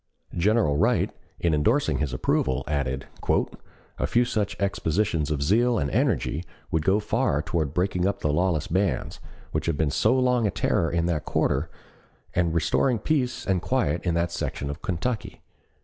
General Wright, in endorsing his approval, added: "A few such exhibitions of zeal and energy would go far toward breaking up the lawless bands, which have been so long a terror in that quarter, and restoring peace and quiet in that section of Kentucky."